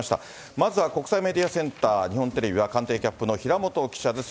まずは国際メディアセンター、日本テレビは官邸キャップの平本記者です。